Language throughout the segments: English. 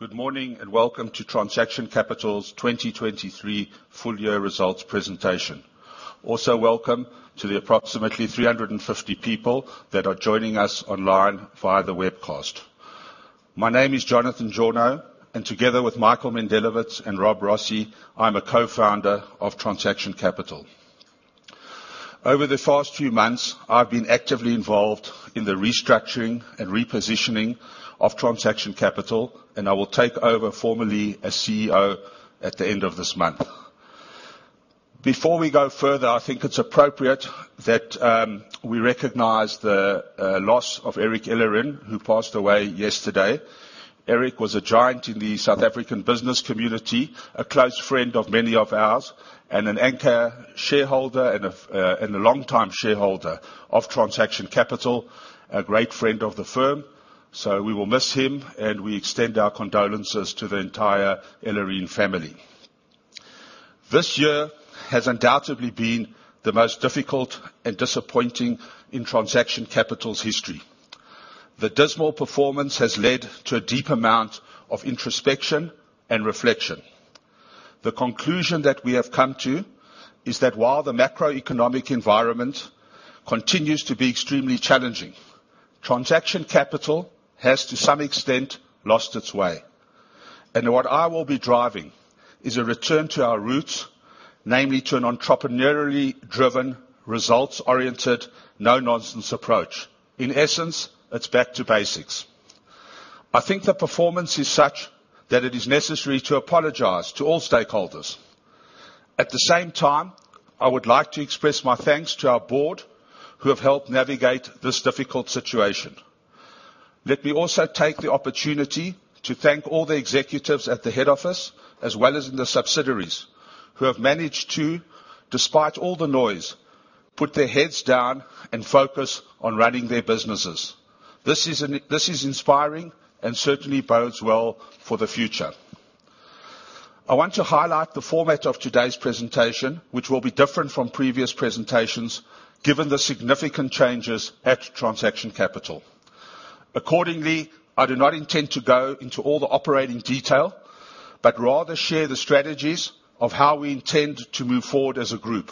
Good morning, and welcome to Transaction Capital's 2023 full year results presentation. Also, welcome to the approximately 350 people that are joining us online via the webcast. My name is Jonathan Jawno, and together with Michael Mendelowitz and Rob Rossi, I'm a co-founder of Transaction Capital. Over the past few months, I've been actively involved in the restructuring and repositioning of Transaction Capital, and I will take over formally as CEO at the end of this month. Before we go further, I think it's appropriate that we recognize the loss of Eric Ellerine, who passed away yesterday. Eric was a giant in the South African business community, a close friend of many of ours, and an anchor shareholder and a long-time shareholder of Transaction Capital, a great friend of the firm. So we will miss him, and we extend our condolences to the entire Ellerine family. This year has undoubtedly been the most difficult and disappointing in Transaction Capital's history. The dismal performance has led to a deep amount of introspection and reflection. The conclusion that we have come to is that while the macroeconomic environment continues to be extremely challenging, Transaction Capital has, to some extent, lost its way. And what I will be driving is a return to our roots, namely, to an entrepreneurially driven, results-oriented, no-nonsense approach. In essence, it's back to basics. I think the performance is such that it is necessary to apologize to all stakeholders. At the same time, I would like to express my thanks to our board, who have helped navigate this difficult situation. Let me also take the opportunity to thank all the executives at the head office, as well as in the subsidiaries, who have managed to, despite all the noise, put their heads down and focus on running their businesses. This is inspiring and certainly bodes well for the future. I want to highlight the format of today's presentation, which will be different from previous presentations, given the significant changes at Transaction Capital. Accordingly, I do not intend to go into all the operating detail, but rather share the strategies of how we intend to move forward as a group.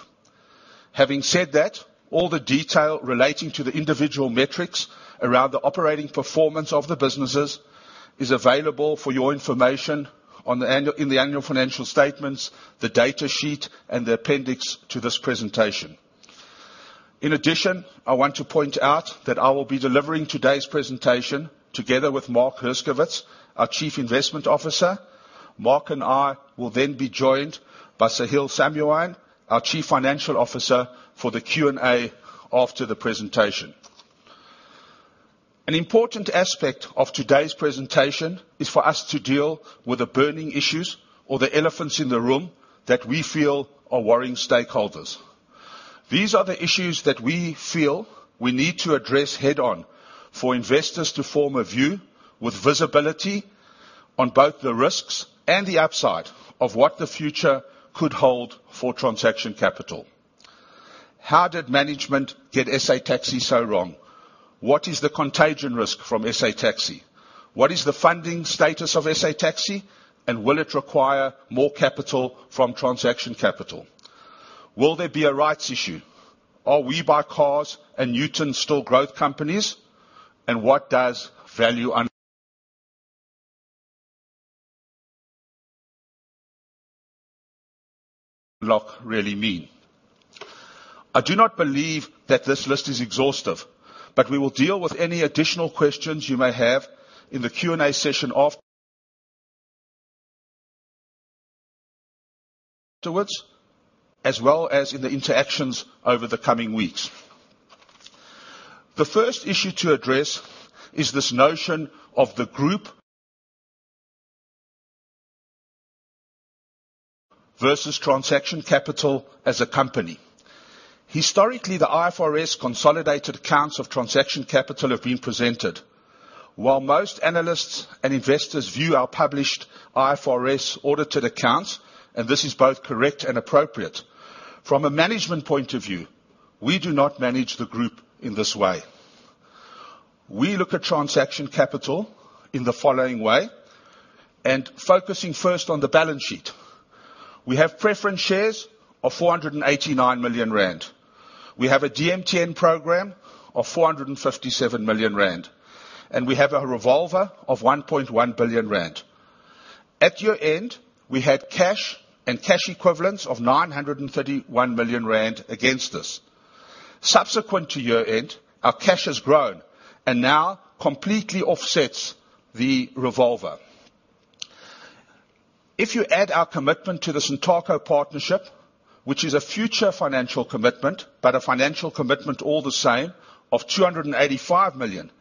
Having said that, all the detail relating to the individual metrics around the operating performance of the businesses is available for your information in the annual financial statements, the data sheet, and the appendix to this presentation. In addition, I want to point out that I will be delivering today's presentation together with Mark Herskovits, our Chief Investment Officer. Mark and I will then be joined by Sahil Samjowan, our Chief Financial Officer, for the Q&A after the presentation. An important aspect of today's presentation is for us to deal with the burning issues or the elephants in the room that we feel are worrying stakeholders. These are the issues that we feel we need to address head-on for investors to form a view with visibility on both the risks and the upside of what the future could hold for Transaction Capital. How did management get SA Taxi so wrong? What is the contagion risk from SA Taxi? What is the funding status of SA Taxi, and will it require more capital from Transaction Capital? Will there be a rights issue? Are WeBuyCars and Nutun still growth companies? And what does value unlock really mean? I do not believe that this list is exhaustive, but we will deal with any additional questions you may have in the Q&A session afterwards, as well as in the interactions over the coming weeks. The first issue to address is this notion of the group versus Transaction Capital as a company. Historically, the IFRS consolidated accounts of Transaction Capital have been presented. While most analysts and investors view our published IFRS audited accounts, and this is both correct and appropriate, from a management point of view, we do not manage the group in this way. We look at Transaction Capital in the following way, and focusing first on the balance sheet. We have preference shares of 489 million rand. We have a DMTN program of 457 million rand, and we have a revolver of 1.1 billion rand. At year-end, we had cash and cash equivalents of 931 million rand against us. Subsequent to year-end, our cash has grown and now completely offsets the revolver. If you add our commitment to the Santaco partnership, which is a future financial commitment, but a financial commitment all the same, of 285 million,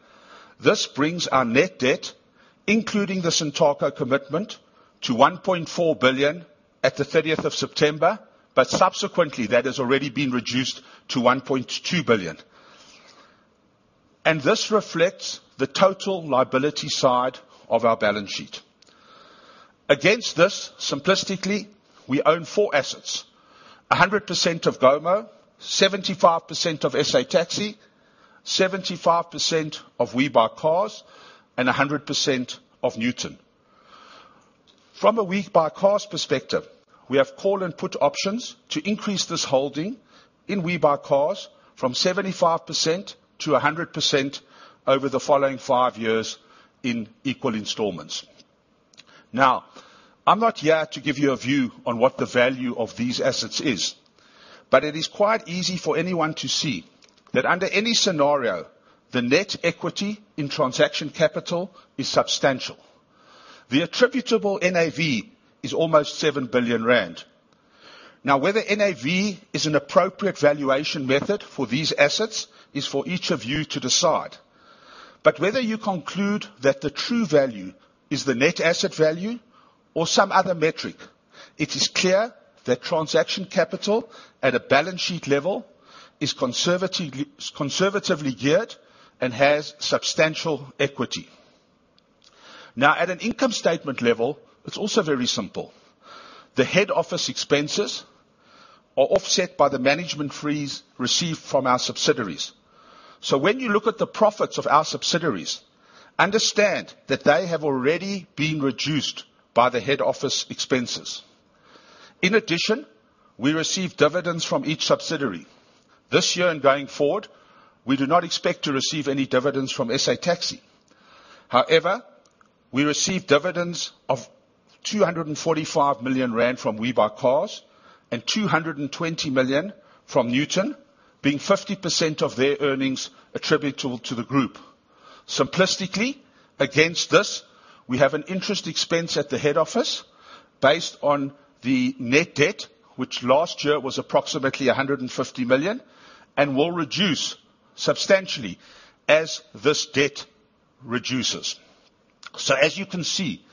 this brings our net debt, including the Santaco commitment, to 1.4 billion at the thirtieth of September, but subsequently, that has already been reduced to 1.2 billion. And this reflects the total liability side of our balance sheet. Against this, simplistically, we own four assets: 100% of Gomo, 75% of SA Taxi, 75% of WeBuyCars, and 100% of Nutun. From a WeBuyCars perspective, we have call and put options to increase this holding in WeBuyCars from 75%-100% over the following 5 years in equal installments. Now, I'm not here to give you a view on what the value of these assets is, but it is quite easy for anyone to see that under any scenario, the net equity in Transaction Capital is substantial. The attributable NAV is almost 7 billion rand. Now, whether NAV is an appropriate valuation method for these assets is for each of you to decide. But whether you conclude that the true value is the net asset value or some other metric, it is clear that Transaction Capital, at a balance sheet level, is conservatively, conservatively geared and has substantial equity. Now, at an income statement level, it's also very simple. The head office expenses are offset by the management fees received from our subsidiaries. So when you look at the profits of our subsidiaries, understand that they have already been reduced by the head office expenses. In addition, we receive dividends from each subsidiary. This year and going forward, we do not expect to receive any dividends from SA Taxi. However, we received dividends of 245 million rand from WeBuyCars and 220 million from Nutun, being 50% of their earnings attributable to the group. Simplistically, against this, we have an interest expense at the head office based on the net debt, which last year was approximately 150 million, and will reduce substantially as this debt reduces. As you can see,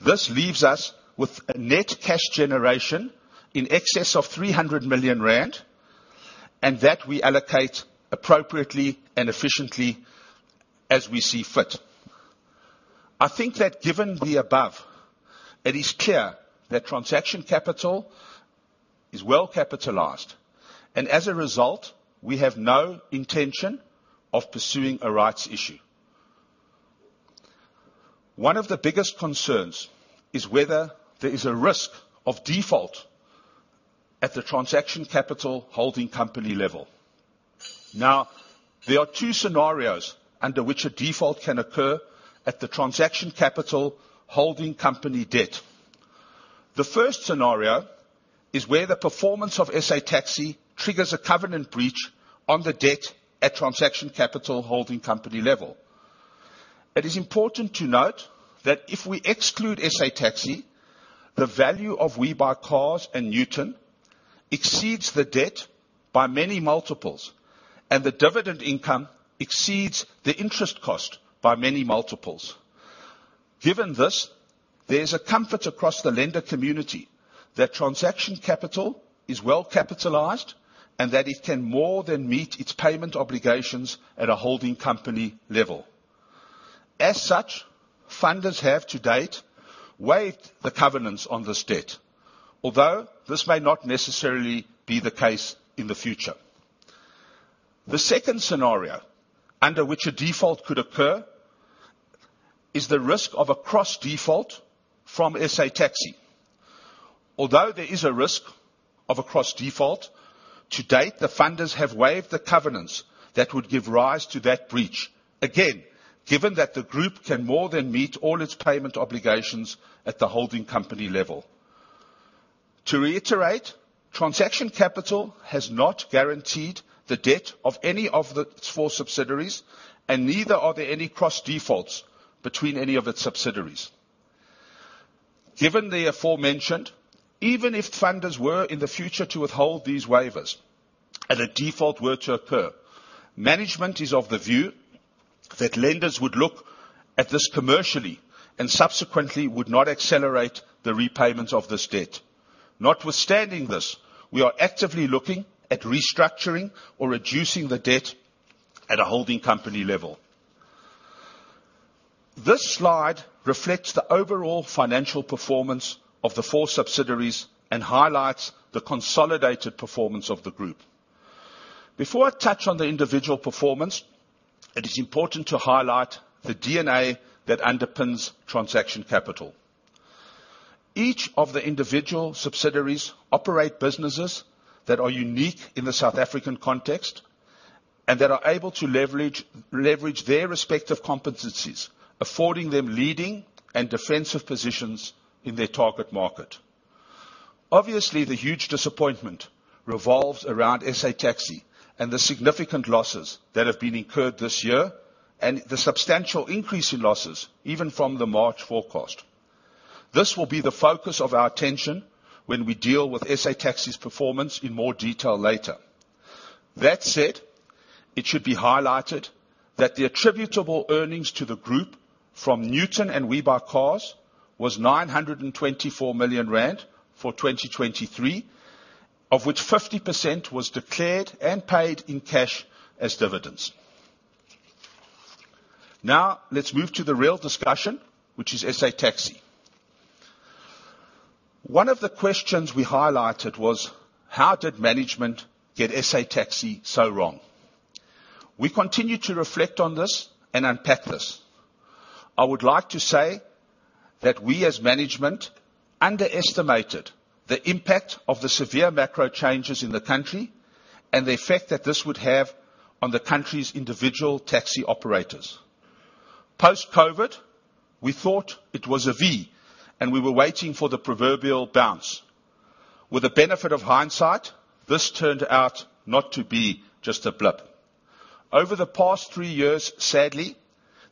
this leaves us with a net cash generation in excess of 300 million rand, and that we allocate appropriately and efficiently as we see fit. I think that given the above, it is clear that Transaction Capital is well-capitalized, and as a result, we have no intention of pursuing a rights issue. One of the biggest concerns is whether there is a risk of default at the Transaction Capital holding company level. Now, there are two scenarios under which a default can occur at the Transaction Capital holding company debt. The first scenario is where the performance of SA Taxi triggers a covenant breach on the debt at Transaction Capital holding company level. It is important to note that if we exclude SA Taxi, the value of WeBuyCars and Nutun exceeds the debt by many multiples, and the dividend income exceeds the interest cost by many multiples. Given this, there's a comfort across the lender community that Transaction Capital is well-capitalized, and that it can more than meet its payment obligations at a holding company level. As such, funders have, to date, waived the covenants on this debt, although this may not necessarily be the case in the future. The second scenario under which a default could occur is the risk of a cross default from SA Taxi. Although there is a risk of a cross default, to date, the funders have waived the covenants that would give rise to that breach. Again, given that the group can more than meet all its payment obligations at the holding company level. To reiterate, Transaction Capital has not guaranteed the debt of any of the four subsidiaries, and neither are there any cross defaults between any of its subsidiaries. Given the aforementioned, even if funders were in the future to withhold these waivers and a default were to occur, management is of the view that lenders would look at this commercially and subsequently would not accelerate the repayment of this debt. Notwithstanding this, we are actively looking at restructuring or reducing the debt at a holding company level. This slide reflects the overall financial performance of the four subsidiaries and highlights the consolidated performance of the group. Before I touch on the individual performance, it is important to highlight the DNA that underpins Transaction Capital. Each of the individual subsidiaries operate businesses that are unique in the South African context, and that are able to leverage their respective competencies, affording them leading and defensive positions in their target market. Obviously, the huge disappointment revolves around SA Taxi and the significant losses that have been incurred this year, and the substantial increase in losses even from the March forecast. This will be the focus of our attention when we deal with SA Taxi's performance in more detail later. That said, it should be highlighted that the attributable earnings to the group from Nutun and WeBuyCars was 924 million rand for 2023, of which 50% was declared and paid in cash as dividends.... Now, let's move to the real discussion, which is SA Taxi. One of the questions we highlighted was: how did management get SA Taxi so wrong? We continue to reflect on this and unpack this. I would like to say that we, as management, underestimated the impact of the severe macro changes in the country and the effect that this would have on the country's individual taxi operators. Post-COVID, we thought it was a V, and we were waiting for the proverbial bounce. With the benefit of hindsight, this turned out not to be just a blip. Over the past three years, sadly,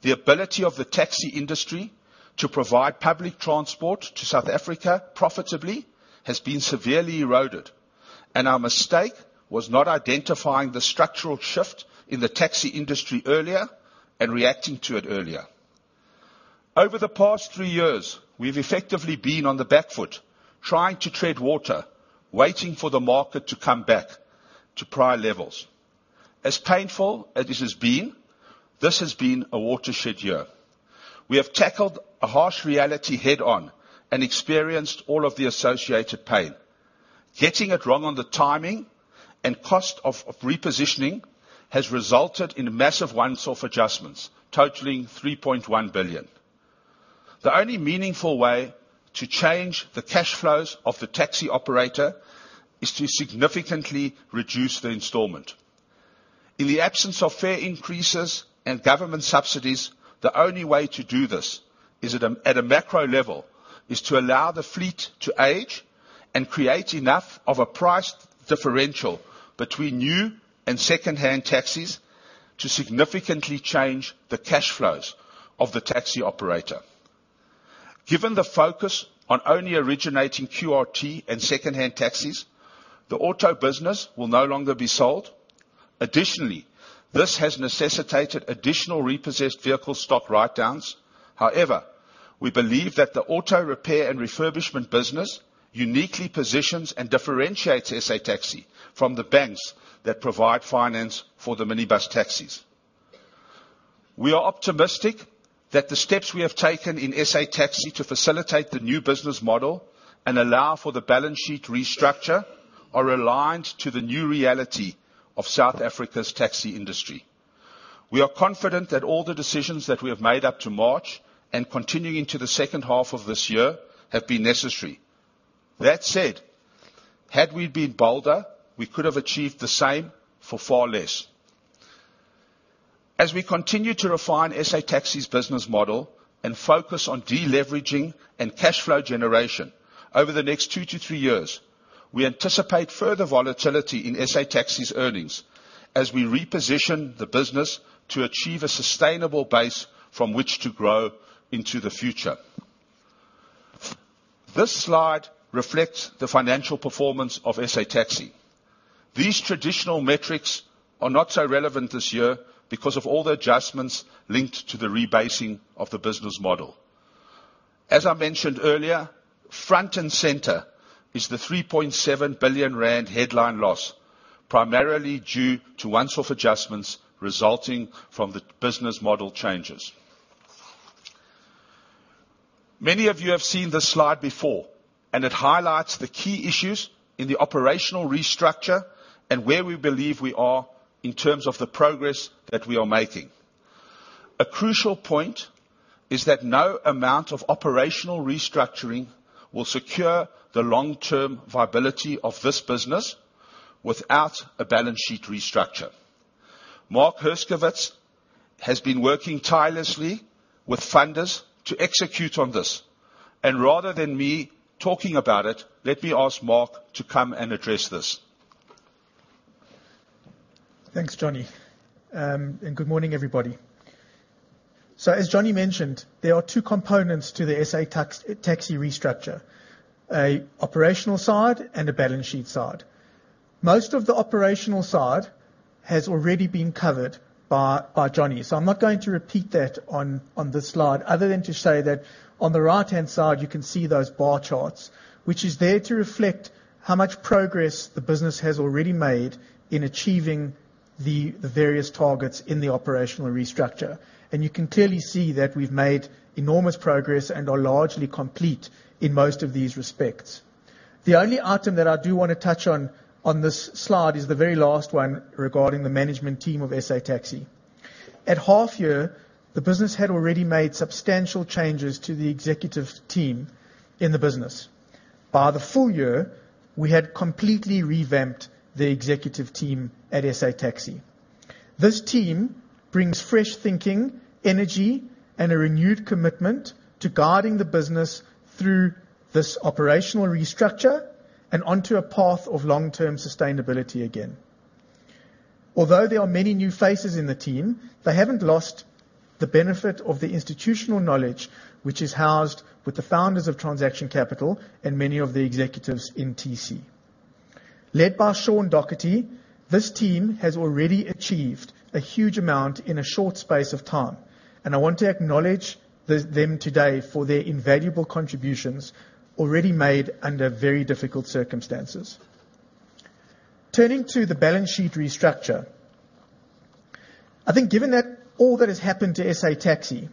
the ability of the taxi industry to provide public transport to South Africa profitably has been severely eroded, and our mistake was not identifying the structural shift in the taxi industry earlier and reacting to it earlier. Over the past three years, we've effectively been on the back foot, trying to tread water, waiting for the market to come back to prior levels. As painful as this has been, this has been a watershed year. We have tackled a harsh reality head-on and experienced all of the associated pain. Getting it wrong on the timing and cost of repositioning has resulted in massive one-off adjustments, totaling 3.1 billion. The only meaningful way to change the cash flows of the taxi operator is to significantly reduce the installment. In the absence of fare increases and government subsidies, the only way to do this is at a macro level, is to allow the fleet to age and create enough of a price differential between new and secondhand taxis to significantly change the cash flows of the taxi operator. Given the focus on only originating QRT and secondhand taxis, the auto business will no longer be sold. Additionally, this has necessitated additional repossessed vehicle stock write-downs. However, we believe that the auto repair and refurbishment business uniquely positions and differentiates SA Taxi from the banks that provide finance for the minibus taxis. We are optimistic that the steps we have taken in SA Taxi to facilitate the new business model and allow for the balance sheet restructure are aligned to the new reality of South Africa's taxi industry. We are confident that all the decisions that we have made up to March, and continuing into the second half of this year, have been necessary. That said, had we been bolder, we could have achieved the same for far less. As we continue to refine SA Taxi's business model and focus on deleveraging and cash flow generation over the next two to three years, we anticipate further volatility in SA Taxi's earnings as we reposition the business to achieve a sustainable base from which to grow into the future. This slide reflects the financial performance of SA Taxi. These traditional metrics are not so relevant this year because of all the adjustments linked to the rebasing of the business model. As I mentioned earlier, front and center is the 3.7 billion rand headline loss, primarily due to once-off adjustments resulting from the business model changes. Many of you have seen this slide before, and it highlights the key issues in the operational restructure and where we believe we are in terms of the progress that we are making. A crucial point is that no amount of operational restructuring will secure the long-term viability of this business without a balance sheet restructure. Mark Herskovits has been working tirelessly with funders to execute on this, and rather than me talking about it, let me ask Mark to come and address this. Thanks, Johnny, and good morning, everybody. So, as Johnny mentioned, there are two components to the SA Taxi restructure, a operational side and a balance sheet side. Most of the operational side has already been covered by Johnny, so I'm not going to repeat that on this slide, other than to say that on the right-hand side, you can see those bar charts, which is there to reflect how much progress the business has already made in achieving the various targets in the operational restructure. And you can clearly see that we've made enormous progress and are largely complete in most of these respects. The only item that I do want to touch on this slide is the very last one regarding the management team of SA Taxi. At half year, the business had already made substantial changes to the executive team in the business. By the full year, we had completely revamped the executive team at SA Taxi. This team brings fresh thinking, energy, and a renewed commitment to guiding the business through this operational restructure and onto a path of long-term sustainability again. Although there are many new faces in the team, they haven't lost the benefit of the institutional knowledge, which is housed with the founders of Transaction Capital and many of the executives in TC. Led by Sean Doherty, this team has already achieved a huge amount in a short space of time, and I want to acknowledge them today for their invaluable contributions already made under very difficult circumstances. Turning to the balance sheet restructure. I think given that all that has happened to SA Taxi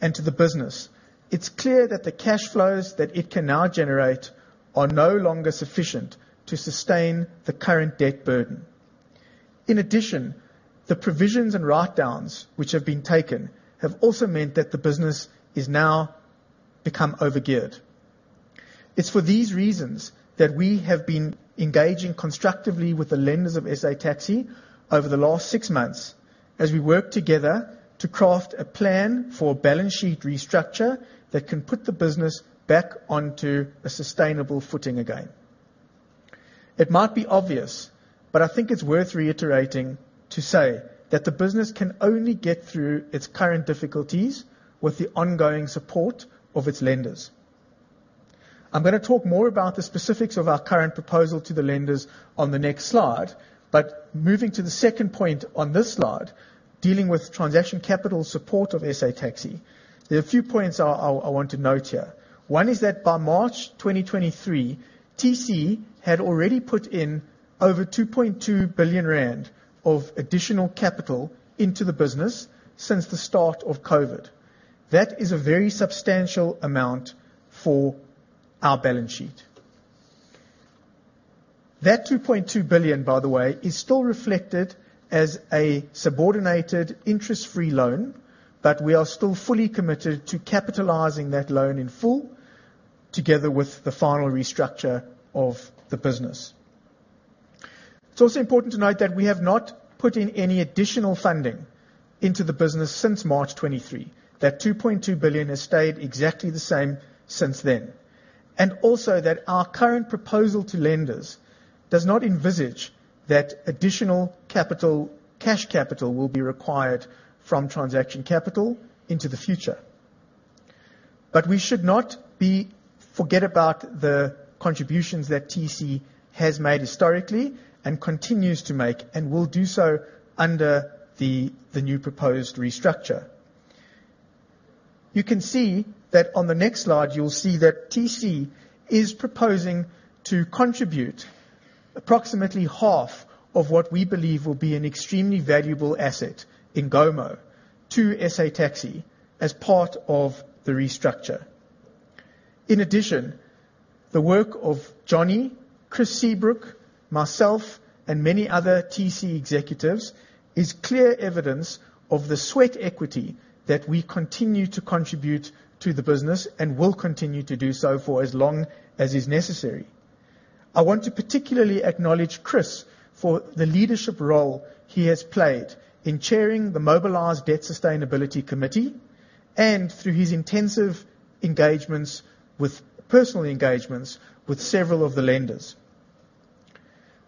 and to the business, it's clear that the cash flows that it can now generate are no longer sufficient to sustain the current debt burden. In addition, the provisions and write-downs, which have been taken, have also meant that the business is now become over-geared. It's for these reasons that we have been engaging constructively with the lenders of SA Taxi over the last six months as we work together to craft a plan for balance sheet restructure that can put the business back onto a sustainable footing again. It might be obvious, but I think it's worth reiterating to say that the business can only get through its current difficulties with the ongoing support of its lenders. I'm gonna talk more about the specifics of our current proposal to the lenders on the next slide, but moving to the second point on this slide, dealing with Transaction Capital support of SA Taxi, there are a few points I want to note here. One is that by March 2023, TC had already put in over 2.2 billion rand of additional capital into the business since the start of COVID. That is a very substantial amount for our balance sheet. That 2.2 billion, by the way, is still reflected as a subordinated interest-free loan, but we are still fully committed to capitalizing that loan in full, together with the final restructure of the business. It's also important to note that we have not put in any additional funding into the business since March 2023. That 2.2 billion has stayed exactly the same since then, and also that our current proposal to lenders does not envisage that additional capital, cash capital, will be required from Transaction Capital into the future. But we should not forget about the contributions that TC has made historically and continues to make, and will do so under the new proposed restructure. You can see that on the next slide, you'll see that TC is proposing to contribute approximately half of what we believe will be an extremely valuable asset in Gomo to SA Taxi as part of the restructure. In addition, the work of Johnny, Chris Seabrooke, myself, and many other TC executives is clear evidence of the sweat equity that we continue to contribute to the business and will continue to do so for as long as is necessary. I want to particularly acknowledge Chris for the leadership role he has played in chairing the mobilised Debt Sustainability Committee and through his intensive personal engagements with several of the lenders.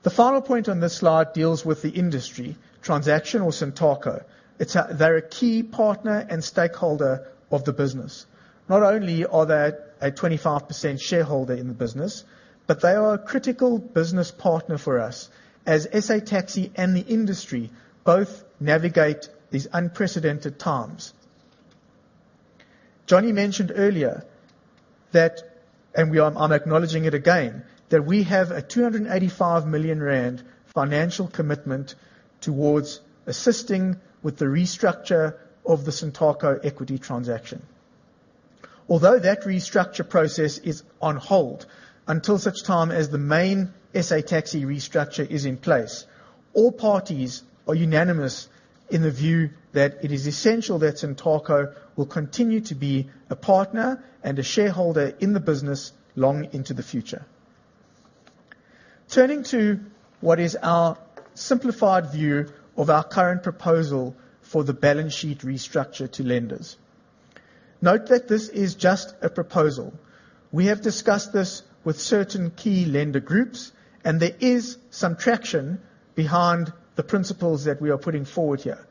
The final point on this slide deals with the industry, Santaco. They're a key partner and stakeholder of the business. Not only are they a 25% shareholder in the business, but they are a critical business partner for us as SA Taxi and the industry both navigate these unprecedented times. Johnny mentioned earlier that, and I'm acknowledging it again, that we have a 285 million rand financial commitment towards assisting with the restructure of the Santaco equity transaction. Although that restructure process is on hold until such time as the main SA Taxi restructure is in place, all parties are unanimous in the view that it is essential that Santaco will continue to be a partner and a shareholder in the business long into the future. Turning to what is our simplified view of our current proposal for the balance sheet restructure to lenders. Note that this is just a proposal. We have discussed this with certain key lender groups, and there is some traction behind the principles that we are putting forward here.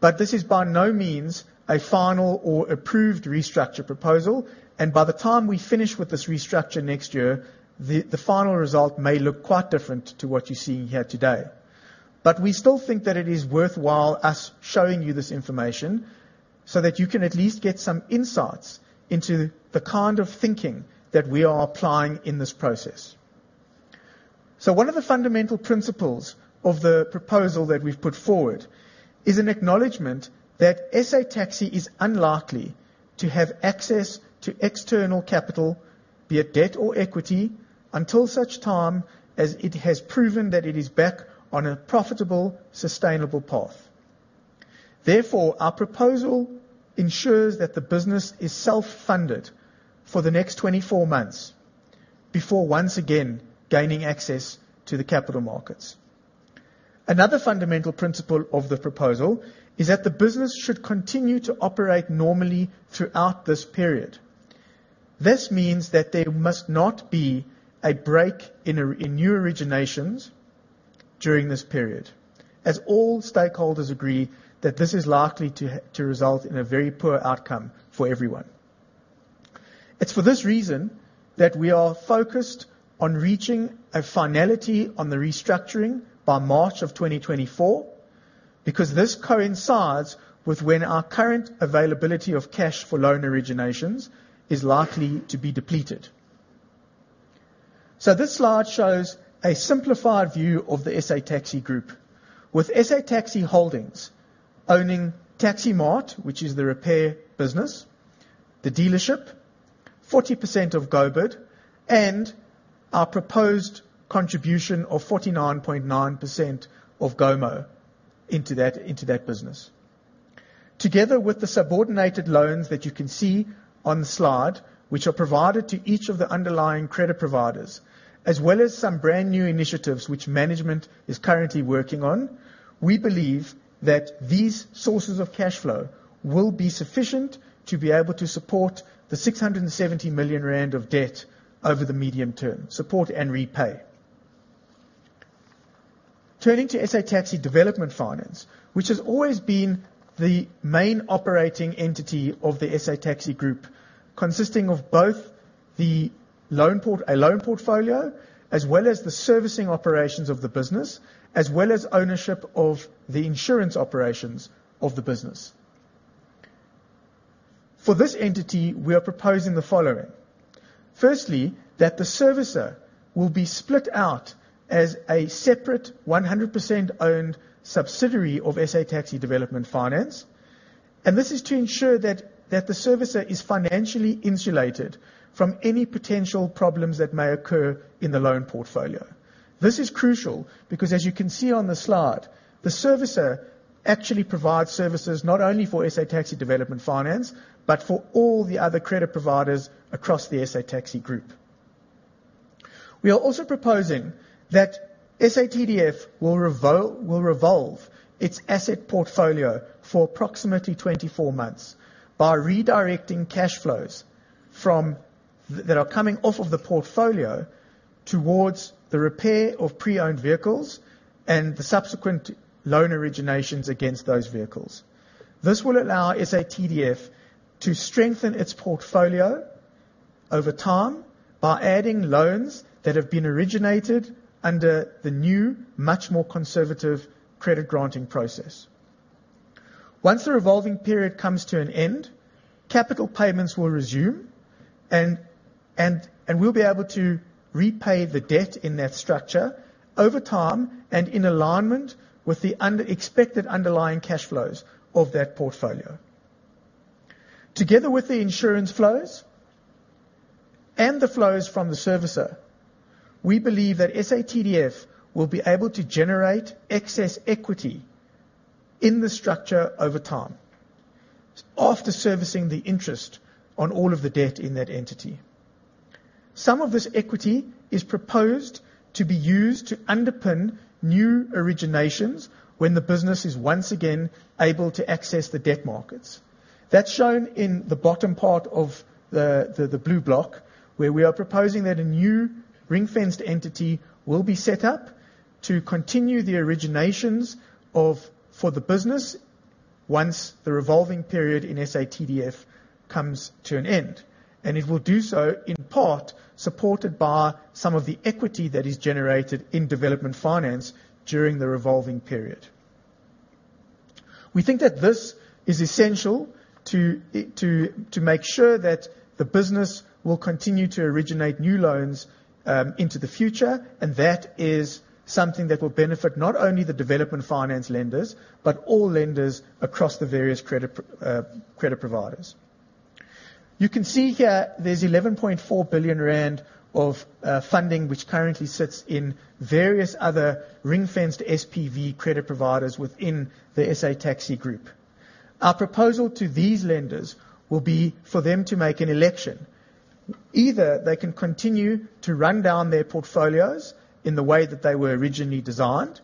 But this is by no means a final or approved restructure proposal, and by the time we finish with this restructure next year, the final result may look quite different to what you're seeing here today. We still think that it is worthwhile, us showing you this information, so that you can at least get some insights into the kind of thinking that we are applying in this process. One of the fundamental principles of the proposal that we've put forward is an acknowledgment that SA Taxi is unlikely to have access to external capital, be it debt or equity, until such time as it has proven that it is back on a profitable, sustainable path. Therefore, our proposal ensures that the business is self-funded for the next 24 months before once again gaining access to the capital markets. Another fundamental principle of the proposal is that the business should continue to operate normally throughout this period. This means that there must not be a break in new originations during this period, as all stakeholders agree that this is likely to result in a very poor outcome for everyone. It's for this reason that we are focused on reaching a finality on the restructuring by March of 2024... because this coincides with when our current availability of cash for loan originations is likely to be depleted. So this slide shows a simplified view of the SA Taxi Group, with SA Taxi Holdings owning Taximart, which is the repair business, the dealership, 40% of GoBid, and our proposed contribution of 49.9% of Gomo into that, into that business. Together with the subordinated loans that you can see on the slide, which are provided to each of the underlying credit providers, as well as some brand new initiatives which management is currently working on, we believe that these sources of cash flow will be sufficient to be able to support the 670 million rand of debt over the medium term, support and repay. Turning to SA Taxi Development Finance, which has always been the main operating entity of the SA Taxi Group, consisting of both the loan portfolio, as well as the servicing operations of the business, as well as ownership of the insurance operations of the business. For this entity, we are proposing the following: firstly, that the servicer will be split out as a separate 100% owned subsidiary of SA Taxi Development Finance, and this is to ensure that, that the servicer is financially insulated from any potential problems that may occur in the loan portfolio. This is crucial because, as you can see on the slide, the servicer actually provides services not only for SA Taxi Development Finance, but for all the other credit providers across the SA Taxi Group. We are also proposing that SATDF will revolve its asset portfolio for approximately 24 months by redirecting cash flows from that are coming off of the portfolio towards the repair of pre-owned vehicles and the subsequent loan originations against those vehicles. This will allow SATDF to strengthen its portfolio over time by adding loans that have been originated under the new, much more conservative credit granting process. Once the revolving period comes to an end, capital payments will resume, and we'll be able to repay the debt in that structure over time and in alignment with the expected underlying cash flows of that portfolio. Together with the insurance flows and the flows from the servicer, we believe that SATDF will be able to generate excess equity in the structure over time, after servicing the interest on all of the debt in that entity. Some of this equity is proposed to be used to underpin new originations when the business is once again able to access the debt markets. That's shown in the bottom part of the blue block, where we are proposing that a new ring-fenced entity will be set up to continue the originations of, for the business once the revolving period in SATDF comes to an end. And it will do so, in part, supported by some of the equity that is generated in development finance during the revolving period. We think that this is essential to make sure that the business will continue to originate new loans into the future, and that is something that will benefit not only the development finance lenders, but all lenders across the various credit providers. You can see here there's 11.4 billion rand of funding, which currently sits in various other ring-fenced SPV credit providers within the SA Taxi Group. Our proposal to these lenders will be for them to make an election. Either they can continue to run down their portfolios in the way that they were originally designed,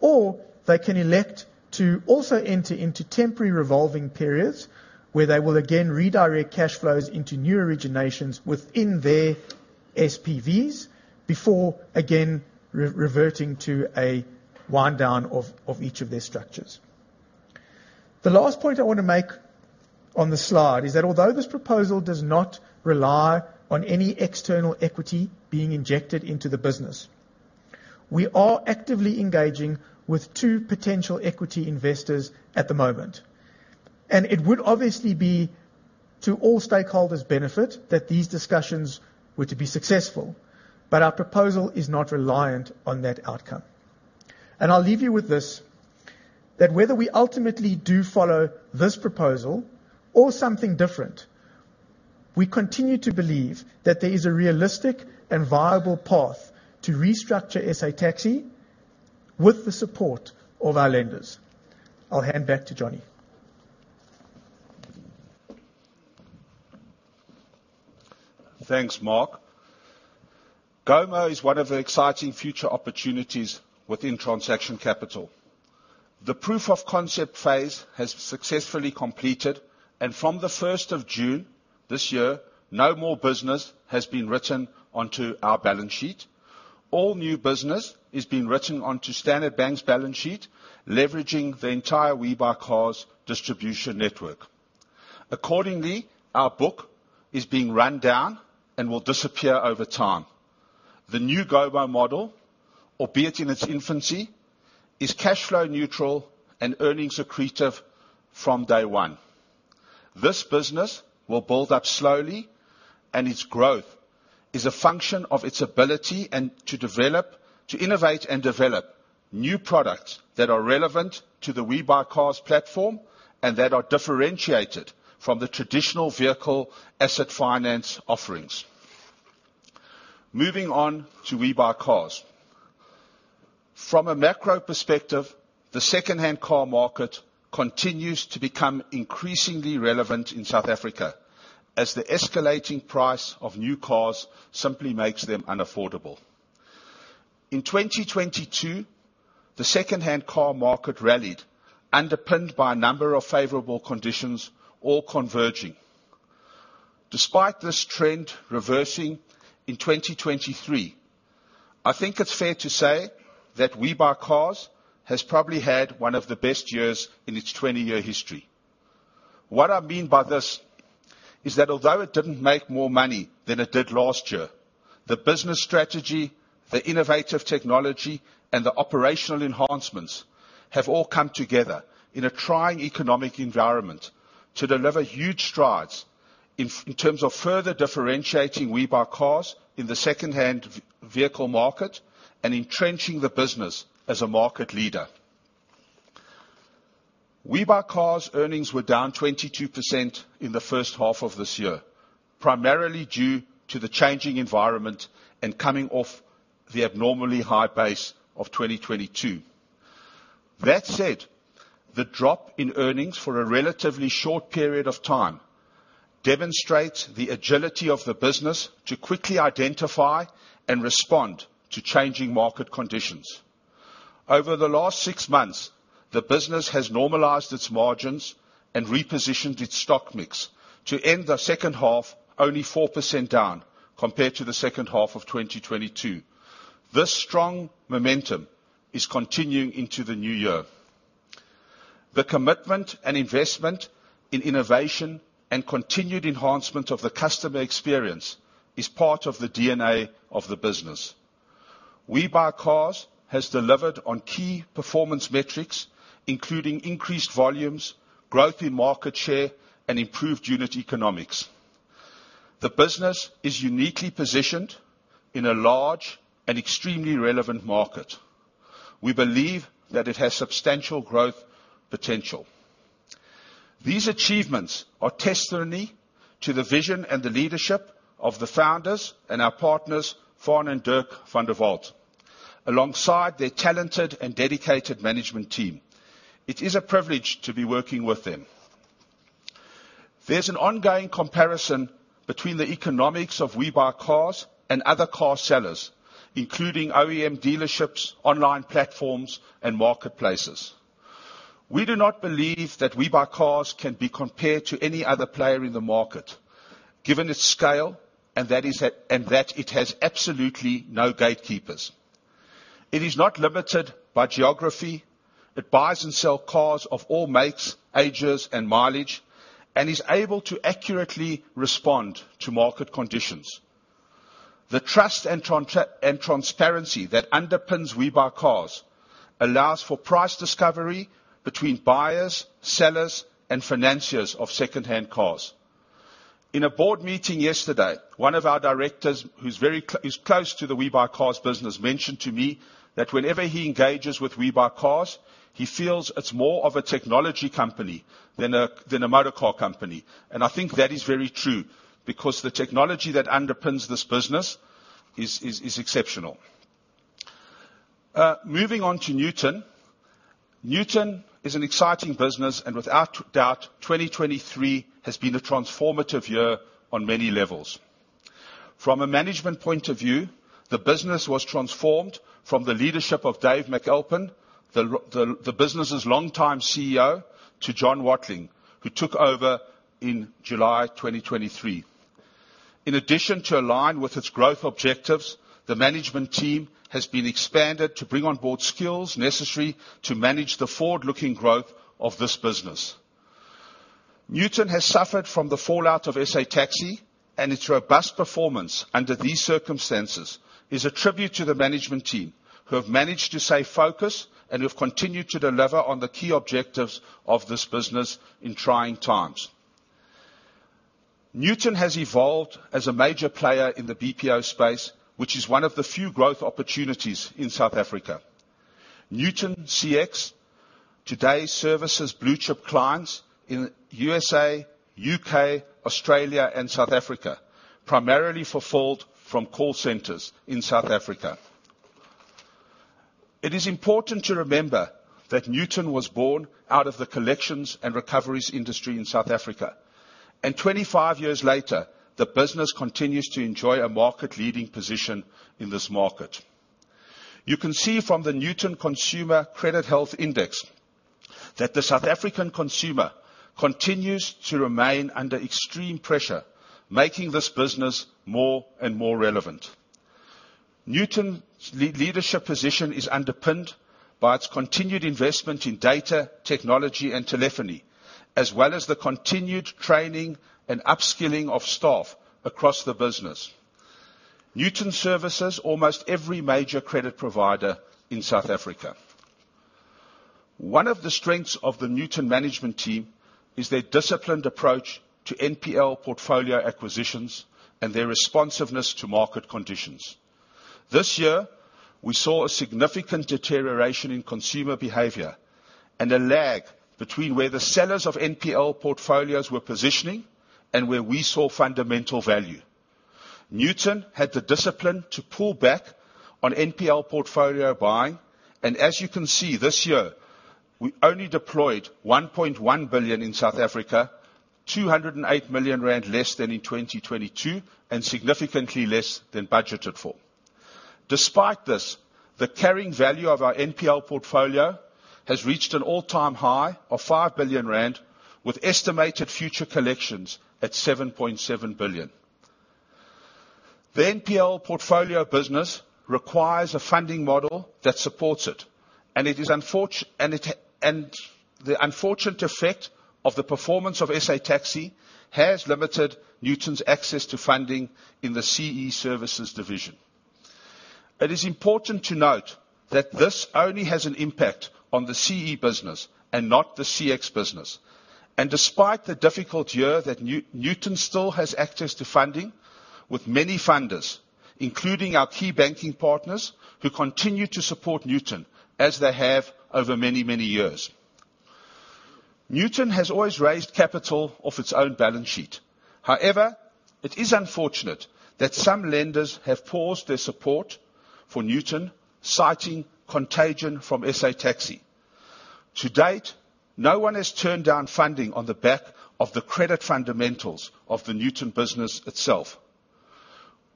or they can elect to also enter into temporary revolving periods, where they will again redirect cash flows into new originations within their SPVs, before again reverting to a wind down of each of their structures. The last point I want to make on the slide is that although this proposal does not rely on any external equity being injected into the business, we are actively engaging with two potential equity investors at the moment, and it would obviously be to all stakeholders' benefit that these discussions were to be successful, but our proposal is not reliant on that outcome. I'll leave you with this: that whether we ultimately do follow this proposal or something different, we continue to believe that there is a realistic and viable path to restructure SA Taxi with the support of our lenders. I'll hand back to Johnny. Thanks, Mark. Gomo is one of the exciting future opportunities within Transaction Capital. The proof of concept phase has successfully completed, and from the first of June this year, no more business has been written onto our balance sheet. All new business is being written onto Standard Bank's balance sheet, leveraging the entire WeBuyCars distribution network. Accordingly, our book is being run down and will disappear over time... The new Gomo model, albeit in its infancy, is cash flow neutral and earnings accretive from day one. This business will build up slowly, and its growth is a function of its ability and to develop, to innovate and develop new products that are relevant to the WeBuyCars platform and that are differentiated from the traditional vehicle asset finance offerings. Moving on to WeBuyCars. From a macro perspective, the secondhand car market continues to become increasingly relevant in South Africa, as the escalating price of new cars simply makes them unaffordable. In 2022, the secondhand car market rallied, underpinned by a number of favorable conditions all converging. Despite this trend reversing in 2023, I think it's fair to say that WeBuyCars has probably had one of the best years in its 20-year history. What I mean by this is that although it didn't make more money than it did last year, the business strategy, the innovative technology, and the operational enhancements have all come together in a trying economic environment to deliver huge strides in terms of further differentiating WeBuyCars in the secondhand vehicle market and entrenching the business as a market leader. WeBuyCars earnings were down 22% in the first half of this year, primarily due to the changing environment and coming off the abnormally high base of 2022. That said, the drop in earnings for a relatively short period of time demonstrates the agility of the business to quickly identify and respond to changing market conditions. Over the last six months, the business has normalized its margins and repositioned its stock mix to end the second half only 4% down compared to the second half of 2022. This strong momentum is continuing into the new year. The commitment and investment in innovation and continued enhancement of the customer experience is part of the DNA of the business. WeBuyCars has delivered on key performance metrics, including increased volumes, growth in market share, and improved unit economics. The business is uniquely positioned in a large and extremely relevant market. We believe that it has substantial growth potential. These achievements are testimony to the vision and the leadership of the founders and our partners, Faan and Dirk van der Walt, alongside their talented and dedicated management team. It is a privilege to be working with them. There's an ongoing comparison between the economics of WeBuyCars and other car sellers, including OEM dealerships, online platforms, and marketplaces. We do not believe that WeBuyCars can be compared to any other player in the market, given its scale, and that is that, and that it has absolutely no gatekeepers. It is not limited by geography. It buys and sell cars of all makes, ages, and mileage, and is able to accurately respond to market conditions. The trust and transparency that underpins WeBuyCars allows for price discovery between buyers, sellers, and financiers of secondhand cars. In a board meeting yesterday, one of our directors, who's close to the WeBuyCars business, mentioned to me that whenever he engages with WeBuyCars, he feels it's more of a technology company than a motor car company. I think that is very true, because the technology that underpins this business is exceptional. Moving on to Nutun. Nutun is an exciting business, and without doubt, 2023 has been a transformative year on many levels. From a management point of view, the business was transformed from the leadership of Dave McAlpin, the business's longtime CEO, to John Watling, who took over in July 2023. In addition, to align with its growth objectives, the management team has been expanded to bring on board skills necessary to manage the forward-looking growth of this business. Nutun has suffered from the fallout of SA Taxi, and its robust performance under these circumstances is a tribute to the management team, who have managed to stay focused and who've continued to deliver on the key objectives of this business in trying times. Nutun has evolved as a major player in the BPO space, which is one of the few growth opportunities in South Africa. Nutun CX today services blue-chip clients in USA, U.K., Australia, and South Africa, primarily fulfilled from call centers in South Africa. It is important to remember that Nutun was born out of the collections and recoveries industry in South Africa, and 25 years later, the business continues to enjoy a market-leading position in this market. You can see from the Nutun Consumer Credit Health Index that the South African consumer continues to remain under extreme pressure, making this business more and more relevant. Nutun's leadership position is underpinned by its continued investment in data, technology, and telephony, as well as the continued training and upskilling of staff across the business. Nutun services almost every major credit provider in South Africa. One of the strengths of the Nutun management team is their disciplined approach to NPL portfolio acquisitions and their responsiveness to market conditions. This year, we saw a significant deterioration in consumer behavior and a lag between where the sellers of NPL portfolios were positioning and where we saw fundamental value. Nutun had the discipline to pull back on NPL portfolio buying, and as you can see, this year, we only deployed 1.1 billion in South Africa, 208 million rand less than in 2022, and significantly less than budgeted for. Despite this, the carrying value of our NPL portfolio has reached an all-time high of 5 billion rand, with estimated future collections at 7.7 billion. The NPL portfolio business requires a funding model that supports it, and the unfortunate effect of the performance of SA Taxi has limited Nutun's access to funding in the CE services division. It is important to note that this only has an impact on the CE business and not the CX business. Despite the difficult year, Nutun still has access to funding with many funders, including our key banking partners, who continue to support Nutun as they have over many, many years. Nutun has always raised capital off its own balance sheet. However, it is unfortunate that some lenders have paused their support for Nutun, citing contagion from SA Taxi. To date, no one has turned down funding on the back of the credit fundamentals of the Nutun business itself.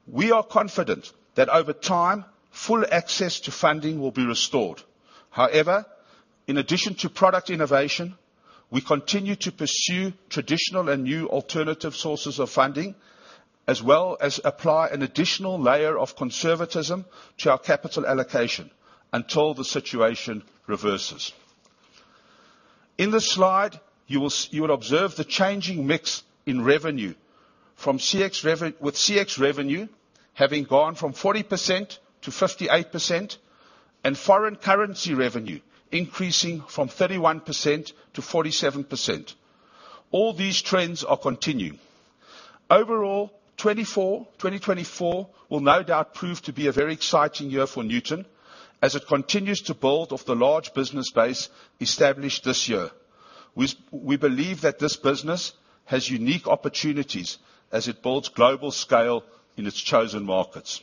We are confident that over time, full access to funding will be restored. However, in addition to product innovation, we continue to pursue traditional and new alternative sources of funding, as well as apply an additional layer of conservatism to our capital allocation until the situation reverses. In this slide, you will observe the changing mix in revenue from CX with CX revenue having gone from 40% to 58% and foreign currency revenue increasing from 31% to 47%. All these trends are continuing. Overall, 2024, 2024 will no doubt prove to be a very exciting year for Nutun, as it continues to build off the large business base established this year. We believe that this business has unique opportunities as it builds global scale in its chosen markets.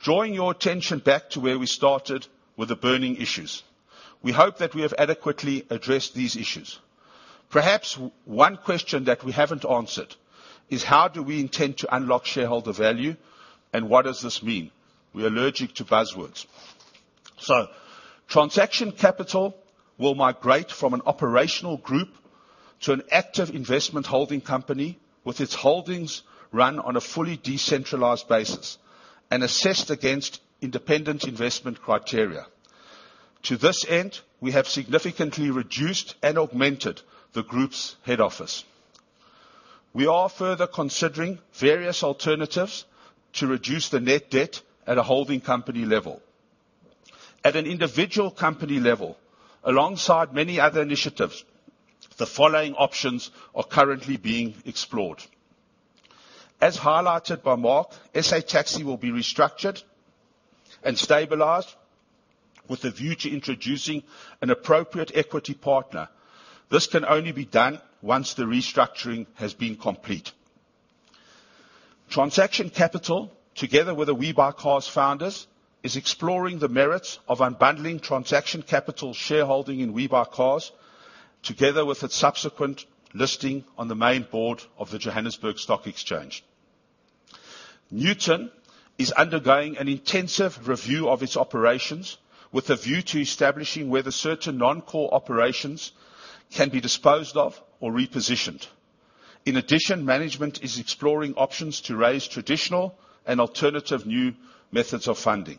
Drawing your attention back to where we started with the burning issues, we hope that we have adequately addressed these issues. Perhaps one question that we haven't answered is: how do we intend to unlock shareholder value, and what does this mean? We are allergic to buzzwords. So Transaction Capital will migrate from an operational group to an active investment holding company, with its holdings run on a fully decentralized basis and assessed against independent investment criteria. To this end, we have significantly reduced and augmented the group's head office. We are further considering various alternatives to reduce the net debt at a holding company level. At an individual company level, alongside many other initiatives, the following options are currently being explored. As highlighted by Mark, SA Taxi will be restructured and stabilized with a view to introducing an appropriate equity partner. This can only be done once the restructuring has been complete. Transaction Capital, together with the WeBuyCars founders, is exploring the merits of unbundling Transaction Capital's shareholding in WeBuyCars, together with its subsequent listing on the main board of the Johannesburg Stock Exchange. Nutun is undergoing an intensive review of its operations, with a view to establishing whether certain non-core operations can be disposed of or repositioned. In addition, management is exploring options to raise traditional and alternative new methods of funding.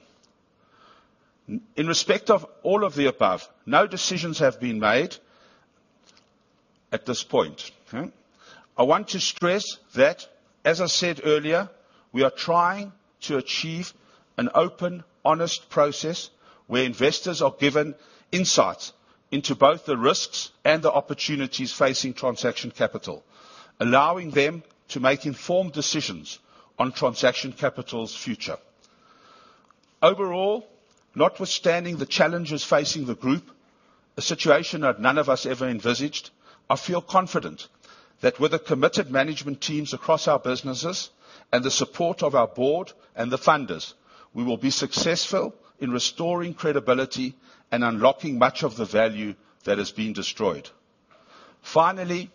In respect of all of the above, no decisions have been made at this point, okay? I want to stress that, as I said earlier, we are trying to achieve an open, honest process, where investors are given insight into both the risks and the opportunities facing Transaction Capital, allowing them to make informed decisions on Transaction Capital's future. Overall, notwithstanding the challenges facing the group, a situation that none of us ever envisaged, I feel confident that with the committed management teams across our businesses and the support of our board and the funders, we will be successful in restoring credibility and unlocking much of the value that has been destroyed. Finally,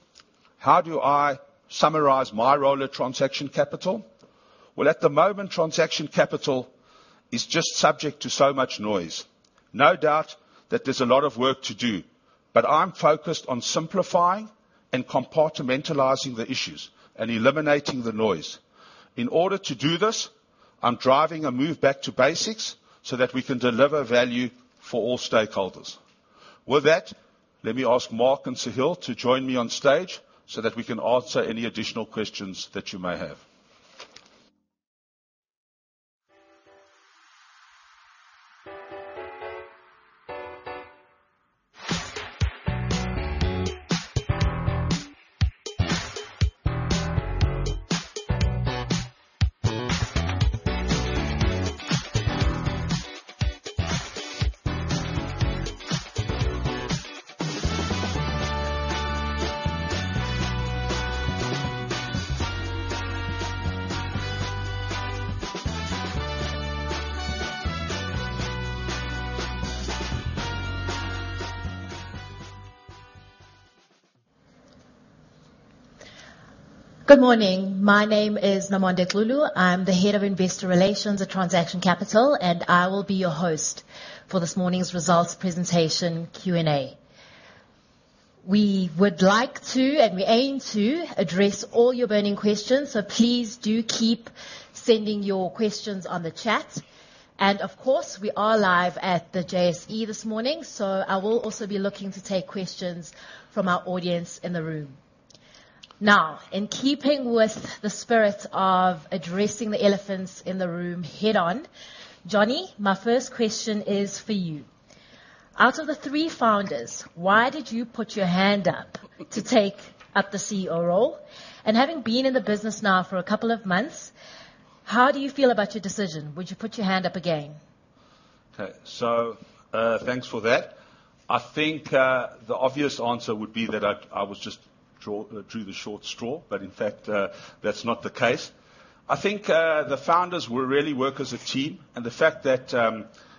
how do I summarize my role at Transaction Capital? Well, at the moment, Transaction Capital is just subject to so much noise. No doubt that there's a lot of work to do, but I'm focused on simplifying and compartmentalizing the issues and eliminating the noise. In order to do this, I'm driving a move back to basics so that we can deliver value for all stakeholders. With that, let me ask Mark and Sahil to join me on stage so that we can answer any additional questions that you may have. Good morning. My name is Nomonde Xulu. I'm the Head of Investor Relations at Transaction Capital, and I will be your host for this morning's results presentation Q&A. We would like to, and we aim to, address all your burning questions, so please do keep sending your questions on the chat. Of course, we are live at the JSE this morning, so I will also be looking to take questions from our audience in the room. Now, in keeping with the spirit of addressing the elephants in the room head-on, Johnny, my first question is for you. Out of the three founders, why did you put your hand up to take up the CEO role? And having been in the business now for a couple of months, how do you feel about your decision? Would you put your hand up again? Okay. So, thanks for that. I think, the obvious answer would be that I was just drew the short straw, but in fact, that's not the case. I think, the founders, we really work as a team, and the fact that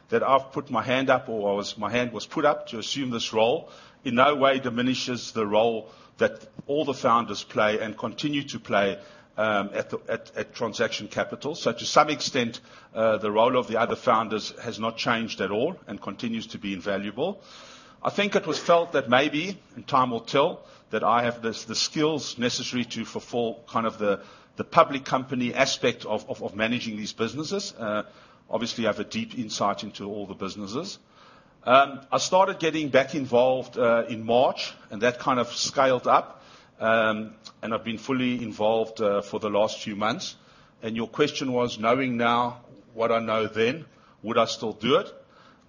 that I've put my hand up or my hand was put up to assume this role, in no way diminishes the role that all the founders play and continue to play at Transaction Capital. So to some extent, the role of the other founders has not changed at all and continues to be invaluable. I think it was felt that maybe, and time will tell, that I have the skills necessary to fulfill kind of the public company aspect of managing these businesses. Obviously, I have a deep insight into all the businesses. I started getting back involved in March, and that kind of scaled up, and I've been fully involved for the last few months. Your question was, knowing now what I know then, would I still do it?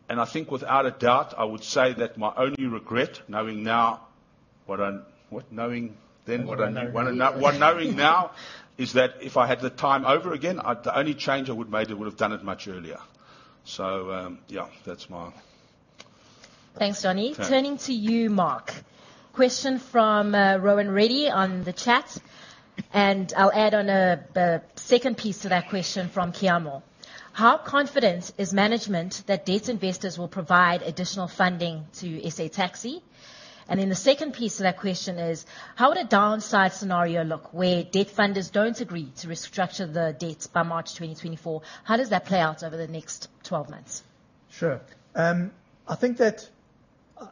I think without a doubt, I would say that my only regret, knowing now what I... Knowing. What I know now is that if I had the time over again, I'd, the only change I would've made, I would've done it much earlier. So, yeah, that's my... Thanks, Johnny. Yeah. Turning to you, Mark. Question from Rowan Reddy on the chat, and I'll add on a second piece to that question from Keamo. How confident is management that debt investors will provide additional funding to SA Taxi? And then the second piece to that question is: how would a downside scenario look, where debt funders don't agree to restructure the debts by March 2024? How does that play out over the next 12 months? Sure. I think that,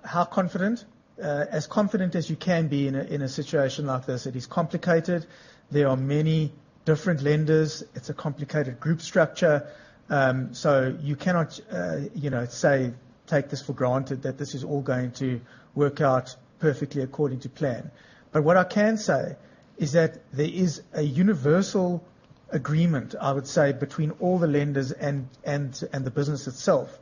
how confident? As confident as you can be in a situation like this. It is complicated. There are many different lenders. It's a complicated group structure. So you cannot, you know, say, take this for granted, that this is all going to work out perfectly according to plan. But what I can say is that there is a universal agreement, I would say, between all the lenders and the business itself,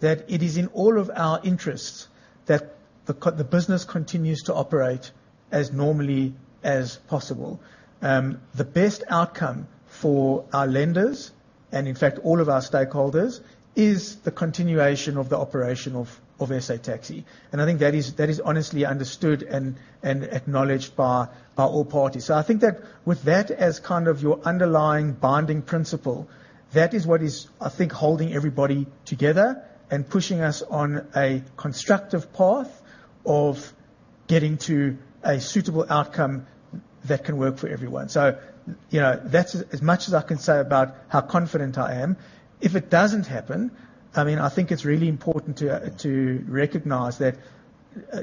that it is in all of our interests that the business continues to operate as normally as possible. The best outcome for our lenders, and in fact, all of our stakeholders, is the continuation of the operation of SA Taxi, and I think that is honestly understood and acknowledged by all parties. So I think that with that as kind of your underlying bonding principle, that is what is, I think, holding everybody together and pushing us on a constructive path of getting to a suitable outcome that can work for everyone. So, you know, that's as much as I can say about how confident I am. If it doesn't happen, I mean, I think it's really important to recognize that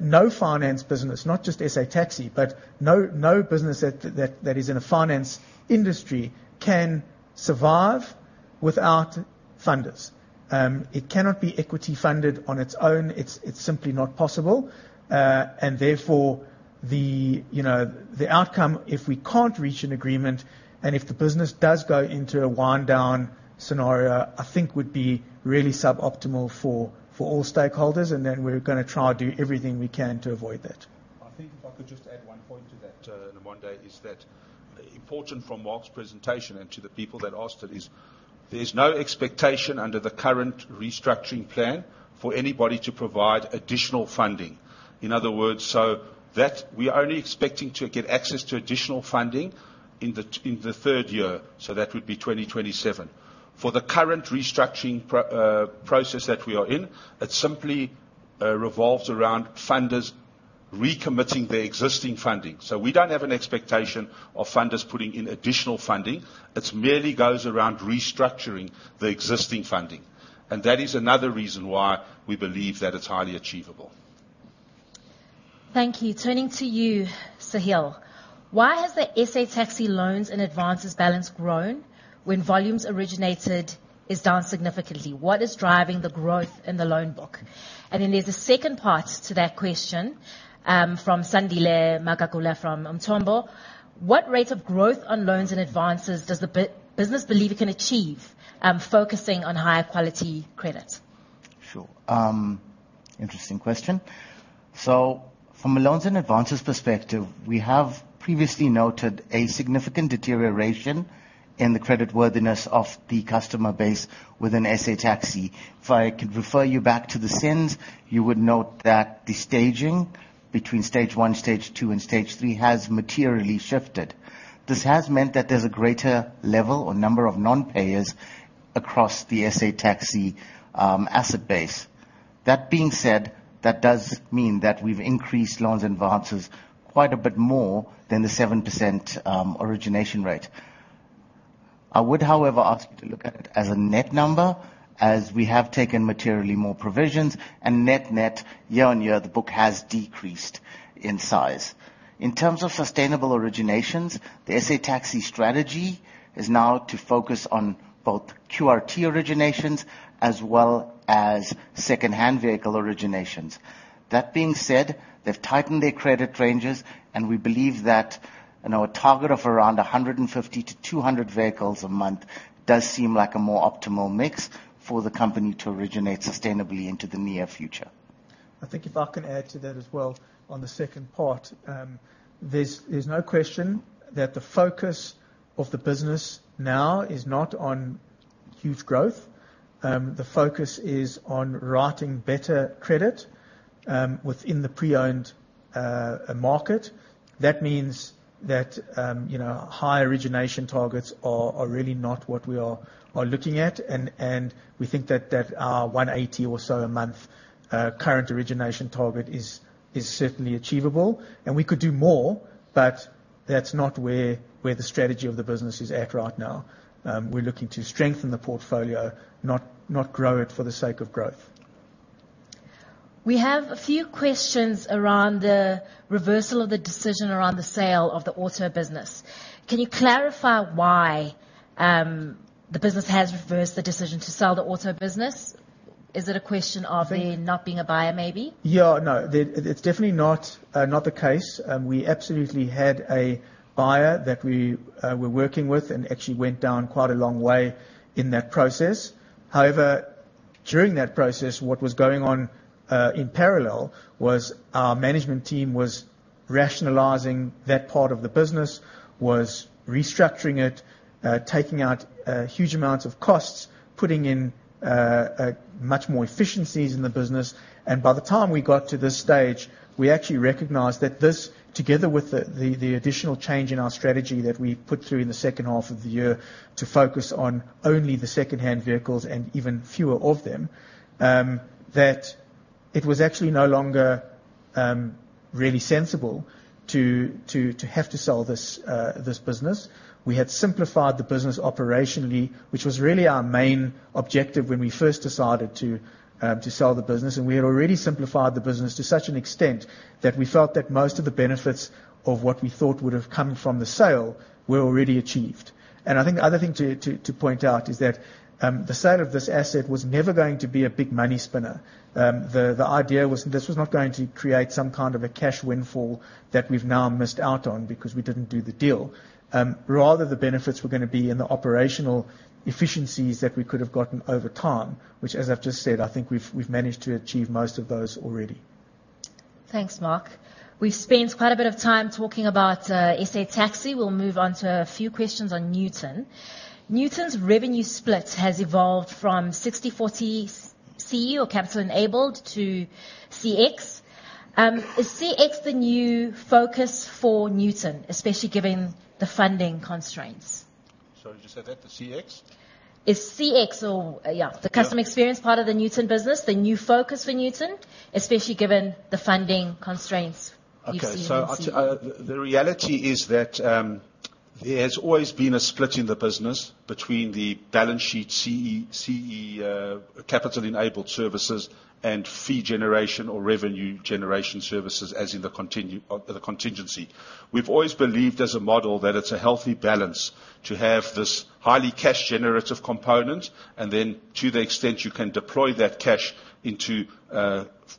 no finance business, not just SA Taxi, but no business that is in a finance industry, can survive without funders. It cannot be equity funded on its own. It's simply not possible. Therefore, you know, the outcome, if we can't reach an agreement, and if the business does go into a wind down scenario, I think would be really suboptimal for all stakeholders, and then we're gonna try and do everything we can to avoid that. I think if I could just add one point to that, Nomonde, is that important from Mark's presentation and to the people that asked it, is there's no expectation under the current restructuring plan for anybody to provide additional funding. In other words, so that we are only expecting to get access to additional funding in the, in the third year, so that would be 2027. For the current restructuring process that we are in, it simply revolves around funders-... recommitting their existing funding. So we don't have an expectation of funders putting in additional funding. It merely goes around restructuring the existing funding, and that is another reason why we believe that it's highly achievable. Thank you. Turning to you, Sahil, why has the SA Taxi loans and advances balance grown when volumes originated is down significantly? What is driving the growth in the loan book? And then there's a second part to that question, from Sandile Magagula from Umthombo: What rate of growth on loans and advances does the business believe it can achieve, focusing on higher quality credit? Sure. Interesting question. So from a loans and advances perspective, we have previously noted a significant deterioration in the creditworthiness of the customer base within SA Taxi. If I could refer you back to the SENS, you would note that the staging between stage one, stage two, and stage three has materially shifted. This has meant that there's a greater level or number of non-payers across the SA Taxi asset base. That being said, that does mean that we've increased loans and advances quite a bit more than the 7% origination rate. I would, however, ask you to look at it as a net number, as we have taken materially more provisions, and net-net, year-on-year, the book has decreased in size. In terms of sustainable originations, the SA Taxi strategy is now to focus on both QRT originations as well as second-hand vehicle originations. That being said, they've tightened their credit ranges, and we believe that in our target of around 150-200 vehicles a month, does seem like a more optimal mix for the company to originate sustainably into the near future. I think if I can add to that as well on the second part. There's no question that the focus of the business now is not on huge growth. The focus is on writing better credit, within the pre-owned market. That means that, you know, high origination targets are really not what we are looking at. And we think that our 180 or so a month current origination target is certainly achievable. And we could do more, but that's not where the strategy of the business is at right now. We're looking to strengthen the portfolio, not grow it for the sake of growth. We have a few questions around the reversal of the decision around the sale of the auto business. Can you clarify why the business has reversed the decision to sell the auto business? Is it a question of there not being a buyer, maybe? Yeah. No. It's definitely not the case. We absolutely had a buyer that we were working with and actually went down quite a long way in that process. However, during that process, what was going on in parallel was our management team was rationalizing that part of the business, was restructuring it, taking out huge amounts of costs, putting in a much more efficiencies in the business. And by the time we got to this stage, we actually recognized that this, together with the additional change in our strategy that we've put through in the second half of the year, to focus on only the second-hand vehicles and even fewer of them, that it was actually no longer really sensible to have to sell this business. We had simplified the business operationally, which was really our main objective when we first decided to sell the business, and we had already simplified the business to such an extent that we felt that most of the benefits of what we thought would have come from the sale were already achieved. And I think the other thing to point out is that the sale of this asset was never going to be a big money spinner. The idea was this was not going to create some kind of a cash windfall that we've now missed out on because we didn't do the deal. Rather, the benefits were gonna be in the operational efficiencies that we could have gotten over time, which, as I've just said, I think we've managed to achieve most of those already. Thanks, Mark. We've spent quite a bit of time talking about SA Taxi. We'll move on to a few questions on Nutun. Nutun's revenue split has evolved from 60/40 CE or Capital Enabled to CX. Is CX the new focus for Nutun, especially given the funding constraints? Sorry, could you say that, the CX? Is CX or... Yeah, the customer- Yeah Experience part of the Nutun business, the new focus for Nutun, especially given the funding constraints you've seen in CE? Okay, so the reality is that there has always been a split in the business between the balance sheet, CE, Capital Enabled services and fee generation or revenue generation services, as in the contingency. We've always believed as a model, that it's a healthy balance to have this highly cash-generative component, and then to the extent you can deploy that cash into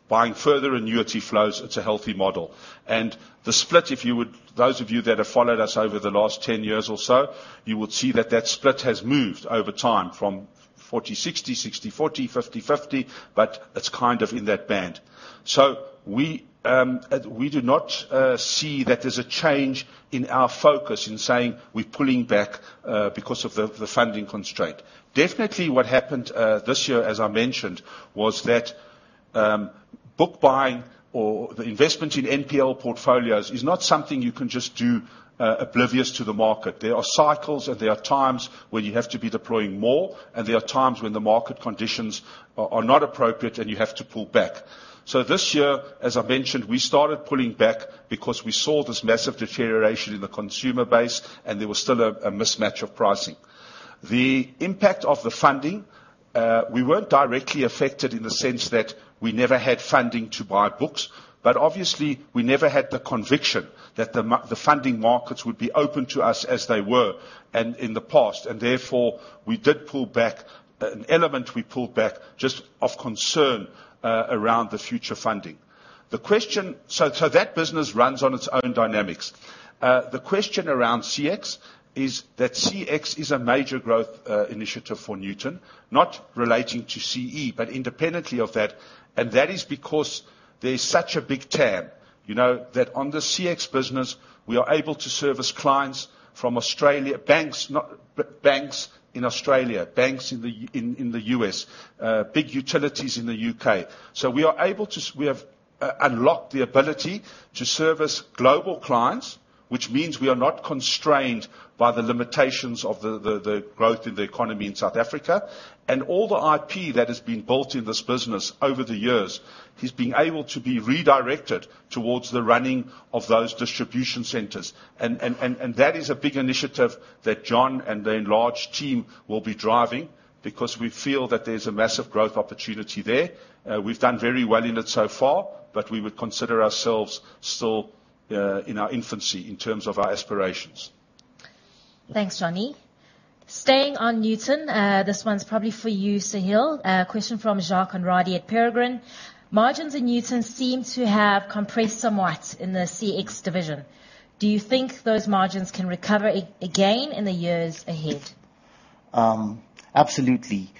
buying further annuity flows, it's a healthy model. And the split, if you would, those of you that have followed us over the last 10 years or so, you would see that that split has moved over time from 40/60, 60/40, 50/50, but it's kind of in that band. So we do not see that there's a change in our focus in saying we're pulling back because of the funding constraint. Definitely what happened this year, as I mentioned, was that, ... book buying or the investment in NPL portfolios is not something you can just do oblivious to the market. There are cycles, and there are times where you have to be deploying more, and there are times when the market conditions are not appropriate and you have to pull back. So this year, as I mentioned, we started pulling back because we saw this massive deterioration in the consumer base, and there was still a mismatch of pricing. The impact of the funding, we weren't directly affected in the sense that we never had funding to buy books, but obviously, we never had the conviction that the funding markets would be open to us as they were in the past, and therefore, we did pull back. An element we pulled back just of concern around the future funding. The question... So, so that business runs on its own dynamics. The question around CX is that CX is a major growth initiative for Nutun, not relating to CE, but independently of that, and that is because there is such a big TAM. You know that on the CX business, we are able to service clients from Australia, banks, not, but banks in Australia, banks in the U.S., big utilities in the U.K. So we are able to. We have unlocked the ability to service global clients, which means we are not constrained by the limitations of the growth in the economy in South Africa. And all the IP that has been built in this business over the years is being able to be redirected towards the running of those distribution centers. That is a big initiative that John and the enlarged team will be driving because we feel that there's a massive growth opportunity there. We've done very well in it so far, but we would consider ourselves still in our infancy in terms of our aspirations. Thanks, Johnny. Staying on Nutun, this one's probably for you, Sahil. A question from Jacques and Rudi at Peregrine. Margins in Nutun seem to have compressed somewhat in the CX division. Do you think those margins can recover again in the years ahead? Absolutely.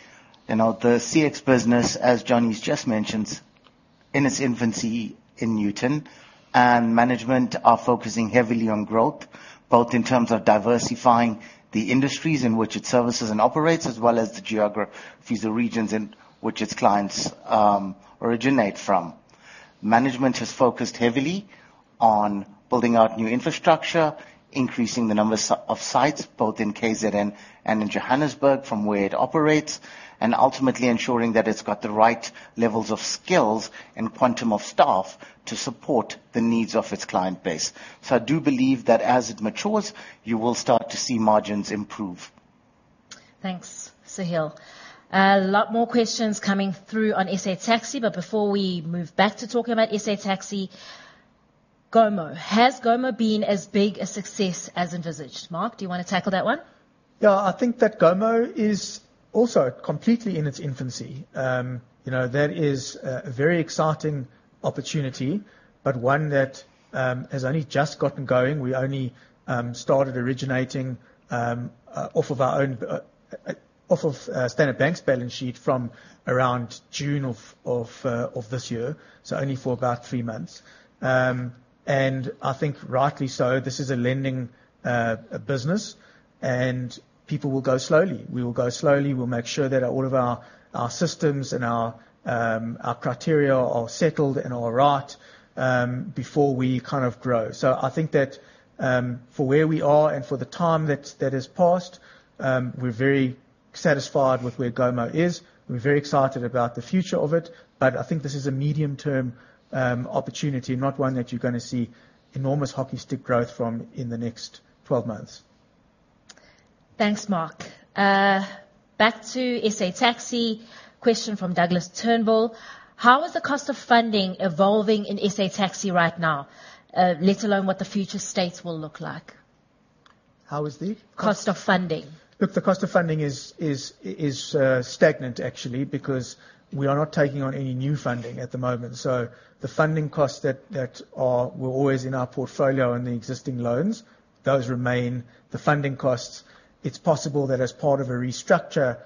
You know, the CX business, as Johnny's just mentioned, in its infancy in Nutun, and management are focusing heavily on growth, both in terms of diversifying the industries in which it services and operates, as well as the geographies, the regions in which its clients, originate from. Management has focused heavily on building out new infrastructure, increasing the number of sites, both in KZN and in Johannesburg, from where it operates, and ultimately ensuring that it's got the right levels of skills and quantum of staff to support the needs of its client base. So I do believe that as it matures, you will start to see margins improve. Thanks, Sahil. A lot more questions coming through on SA Taxi, but before we move back to talking about SA Taxi, Gomo. Has Gomo been as big a success as envisaged? Mark, do you want to tackle that one? Yeah. I think that Gomo is also completely in its infancy. You know, that is a very exciting opportunity, but one that has only just gotten going. We only started originating off of Standard Bank's balance sheet from around June of this year, so only for about three months. And I think rightly so, this is a lending business, and people will go slowly. We will go slowly. We'll make sure that all of our systems and our criteria are settled and are right before we kind of grow. So I think that for where we are and for the time that has passed, we're very satisfied with where Gomo is. We're very excited about the future of it, but I think this is a medium-term opportunity, not one that you're gonna see enormous hockey stick growth from in the next 12 months. Thanks, Mark. Back to SA Taxi. Question from Douglas Turnbull: How is the cost of funding evolving in SA Taxi right now, let alone what the future states will look like? How is the? Cost of funding. Look, the cost of funding is stagnant, actually, because we are not taking on any new funding at the moment. So the funding costs that were always in our portfolio and the existing loans, those remain the funding costs. It's possible that as part of a restructure,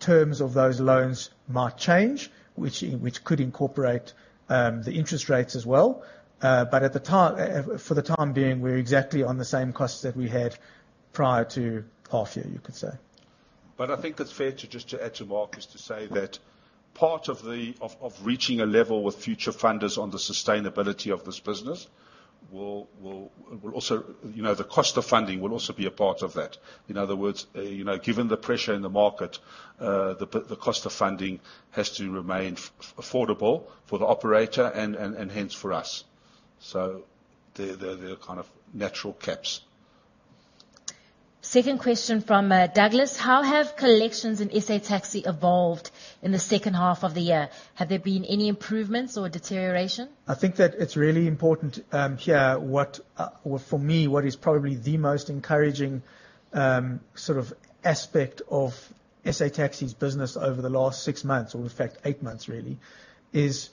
terms of those loans might change, which could incorporate the interest rates as well. But at the time, for the time being, we're exactly on the same costs that we had prior to half year, you could say. But I think it's fair to just add to Mark, is to say that part of the reaching a level with future funders on the sustainability of this business will also... You know, the cost of funding will also be a part of that. In other words, you know, given the pressure in the market, the cost of funding has to remain affordable for the operator and hence for us. So there are kind of natural caps. Second question from Douglas: How have collections in SA Taxi evolved in the second half of the year? Have there been any improvements or deterioration? I think that it's really important for me what is probably the most encouraging sort of aspect of SA Taxi's business over the last 6 months, or in fact, 8 months, really, is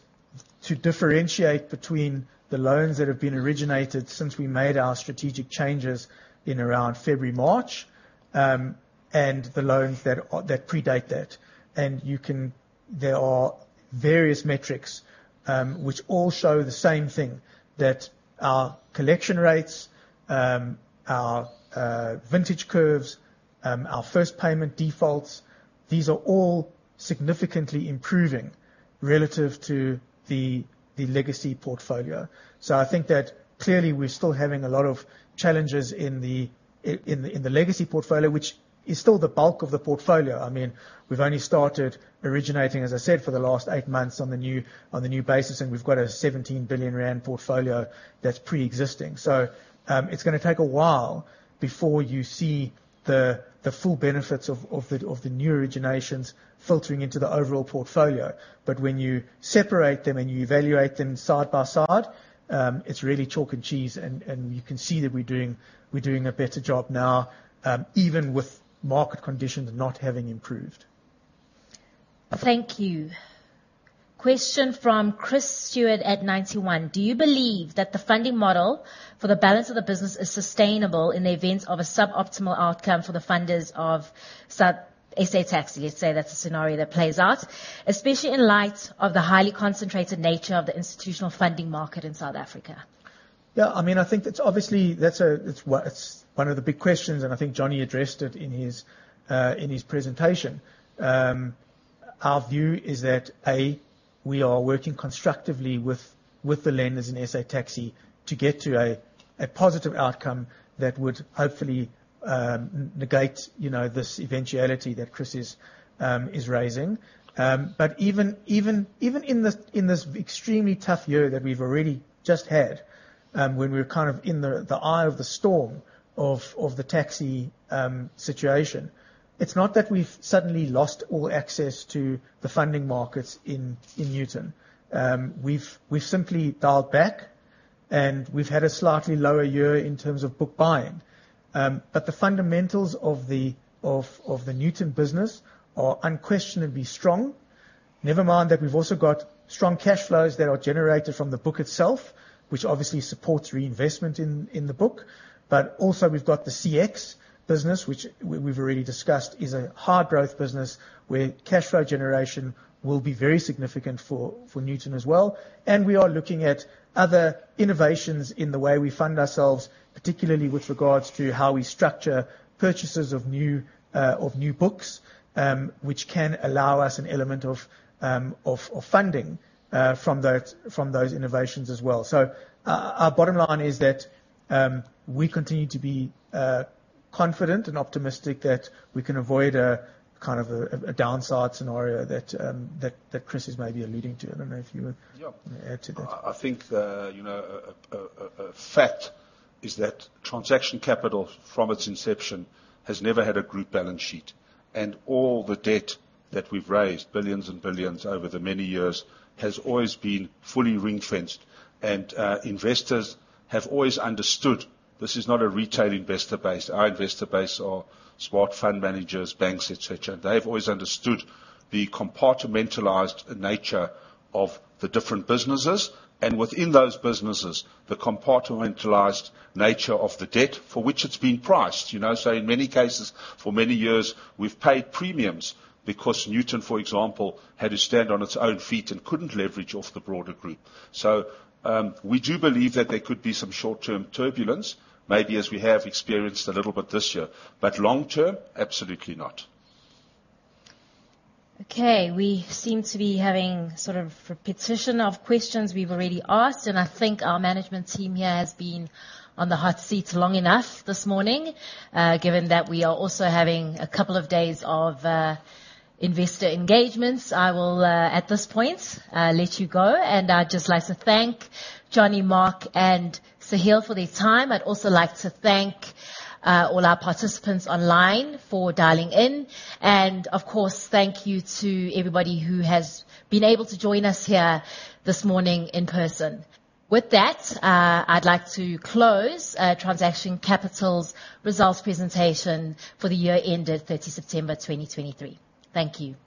to differentiate between the loans that have been originated since we made our strategic changes in around February, March, and the loans that are that predate that. And you can. There are various metrics which all show the same thing, that our collection rates, our vintage curves, our first payment defaults, these are all significantly improving relative to the legacy portfolio. So I think that clearly, we're still having a lot of challenges in the legacy portfolio, which is still the bulk of the portfolio. I mean, we've only started originating, as I said, for the last eight months on the new, on the new basis, and we've got a R17 billion portfolio that's pre-existing. So, it's gonna take a while before you see the, the full benefits of, of the, of the new originations filtering into the overall portfolio. But when you separate them and you evaluate them side by side, it's really chalk and cheese, and, and you can see that we're doing, we're doing a better job now, even with market conditions not having improved. Thank you. Question from Chris Steward at Ninety One: Do you believe that the funding model for the balance of the business is sustainable in the event of a suboptimal outcome for the funders of SA Taxi? Let's say that's a scenario that plays out, especially in light of the highly concentrated nature of the institutional funding market in South Africa. Yeah, I mean, I think that's obviously... That's a, it's one, it's one of the big questions, and I think Johnny addressed it in his, in his presentation. Our view is that, A, we are working constructively with, with the lenders in SA Taxi to get to a, a positive outcome that would hopefully, negate, you know, this eventuality that Chris is, is raising. But even, even, even in this, in this extremely tough year that we've already just had, when we were kind of in the, the eye of the storm of, of the taxi, situation, it's not that we've suddenly lost all access to the funding markets in, in Nutun. We've, we've simply dialed back, and we've had a slightly lower year in terms of book buying. But the fundamentals of the Nutun business are unquestionably strong. Never mind that we've also got strong cash flows that are generated from the book itself, which obviously supports reinvestment in the book. But also we've got the CX business, which we've already discussed, is a hard growth business, where cashflow generation will be very significant for Nutun as well. And we are looking at other innovations in the way we fund ourselves, particularly with regards to how we structure purchases of new books, which can allow us an element of funding from those innovations as well. So our bottom line is that we continue to be confident and optimistic that we can avoid a kind of a downside scenario that Chris is maybe alluding to. I don't know if you would- Yeah. - add to that. I think, you know, a fact is that Transaction Capital, from its inception, has never had a group balance sheet, and all the debt that we've raised, billions and billions over the many years, has always been fully ring-fenced. Investors have always understood this is not a retail investor base. Our investor base are smart fund managers, banks, et cetera. They've always understood the compartmentalized nature of the different businesses, and within those businesses, the compartmentalized nature of the debt for which it's been priced. You know, so in many cases, for many years, we've paid premiums because Nutun, for example, had to stand on its own feet and couldn't leverage off the broader group. So, we do believe that there could be some short-term turbulence, maybe as we have experienced a little bit this year, but long term, absolutely not. Okay, we seem to be having sort of repetition of questions we've already asked, and I think our management team here has been on the hot seat long enough this morning. Given that we are also having a couple of days of investor engagements, I will, at this point, let you go. And I'd just like to thank Johnny, Mark, and Sahil for their time. I'd also like to thank all our participants online for dialing in. And of course, thank you to everybody who has been able to join us here this morning in person. With that, I'd like to close Transaction Capital's results presentation for the year ended 30 September 2023. Thank you. Thank you.